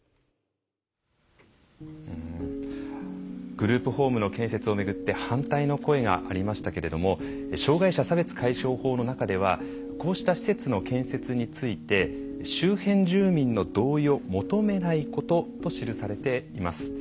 グループホームの建設をめぐって反対の声がありましたけれども障害者差別解消法の中ではこうした施設の建設について「周辺住民の同意を求めないこと」と記されています。